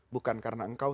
bukan karena engkau